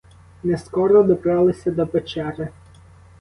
Не скоро добралися до печери.